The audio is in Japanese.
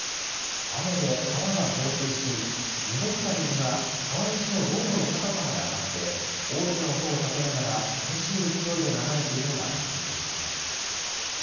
雨で川が増水し濁った水が川岸の道路の高さまで上がって大きな音を立てながら激しい勢いで流れているのが確認できます。